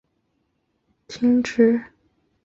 该球证于葡萄牙对荷兰的比赛后被世界足协停职。